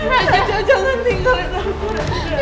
raja jangan tinggalin aku raja